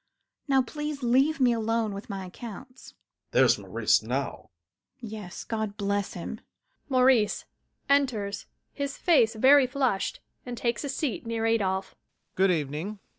Now please leave me alone with my accounts! ADOLPHE. There's Maurice now. MME. CATHERINE. Yes, God bless him! MAURICE. [Enters, his face very flushed, and takes a seat near ADOLPHE] Good evening.